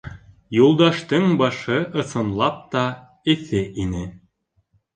Юлдаштың башы, ысынлап та, эҫе ине.